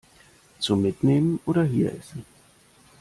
Zum Mitnehmen oder hier essen?